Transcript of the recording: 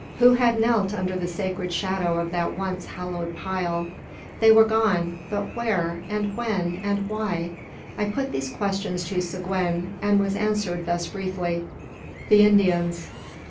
Who had knelt under the sacred shadow of that once hallowed pile? They were gone; but where? and when? and why? I put these questions to Seguin, and was answered thus briefly "The Indians."